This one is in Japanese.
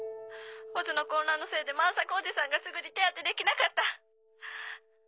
ＯＺの混乱のせいで万作おじさんがすぐに手当てできなかった。